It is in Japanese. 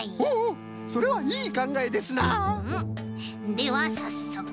ではさっそく。